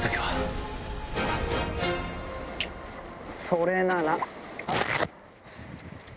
それなら！